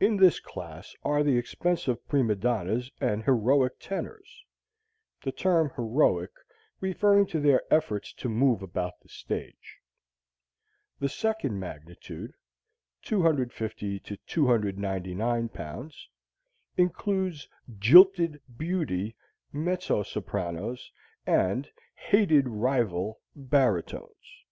In this class are the expensive prima donnas and heroic tenors (the term "heroic" referring to their efforts to move about the stage). The second magnitude 250 to 299 pounds includes "jilted beauty" mezzo sopranos and "hated rival" baritones.